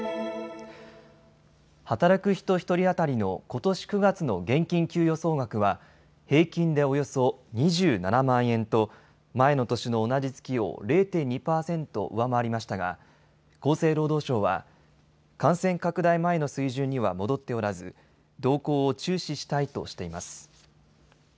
働く人１人当たりのことし９月の現金給与総額は平均でおよそ２７万円と前の年の同じ月を０．２％上回りましたが厚生労働省は感染拡大前の水準には戻っておらず動向を注視したいとしています。